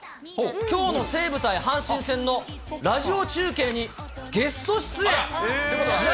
きょうの西武対阪神戦のラジオ中継に、ゲスト出演。